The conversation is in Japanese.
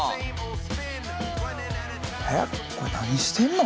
えっこれ何してんの？